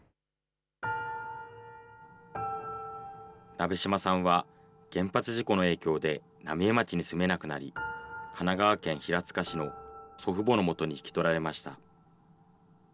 鍋島さんは、原発事故の影響で、浪江町に住めなくなり、神奈川県平塚市の祖父母のもとに引き取られました。